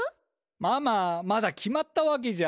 ママまだ決まったわけじゃ。